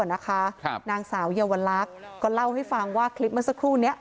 นางสาวเยาวลักษณ์ก็เล่าให้ฟังว่าคลิปเมื่อสักครู่นี้